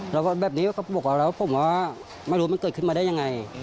เราก็แบบนี้ก็บอกกับเราผมก็ว่าไม่รู้มันเกิดขึ้นมาได้ยังไง